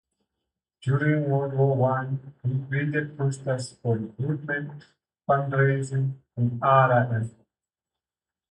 During World War One, he created posters for recruitment, fundraising, and other efforts.